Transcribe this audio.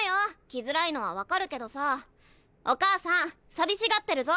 来づらいのは分かるけどさあお母さん寂しがってるぞ。